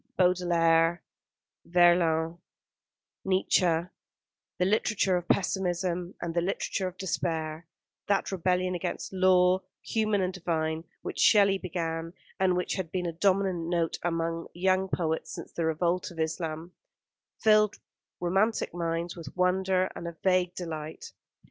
Baudelaire, Verlaine, Nietzsche, the literature of pessimism, and the literature of despair, that rebellion against law, human and divine, which Shelley began, and which had been a dominant note among young poets since the "Revolt of Islam" filled romantic minds with wonder and a vague delight.